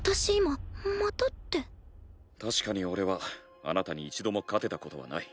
確かに俺はあなたに一度も勝てたことはない。